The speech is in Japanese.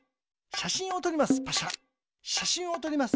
しゃしんをとります。